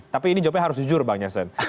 tapi ini jawabannya harus jujur bang jansan